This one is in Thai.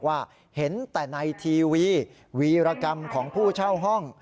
ว่าเห็นแต่ในทีวีวีรกรรมของผู้เช่าห้อง